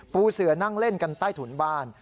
ปูเสือนั่งเล่นกันใต้ถุนบ้าน